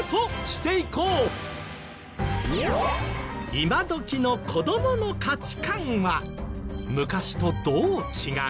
今どきの子どもの価値観は昔とどう違う？